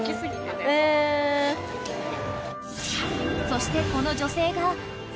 ［そしてこの女性が］え。